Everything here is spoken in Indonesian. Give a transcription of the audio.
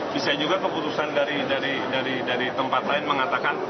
bisa juga keputusan dari tempat lain mengatakan